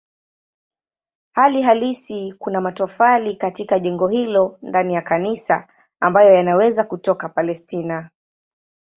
Hali halisi kuna matofali katika jengo hilo ndani ya kanisa ambayo yanaweza kutoka Palestina.